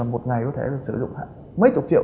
một ngày có thể sử dụng mấy chục triệu